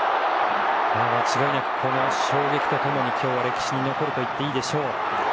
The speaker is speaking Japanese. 間違いなく衝撃と共に今日は歴史に残ると言っていいでしょう。